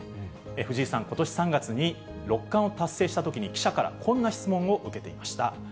藤井さん、ことし３月に六冠を達成したときに、記者からこんな質問を受けていました。